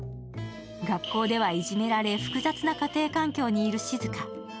学校ではいじめられ、複雑な家庭環境にいるしずか。